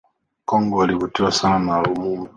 Kongo Walivutiwa sana na Lumumba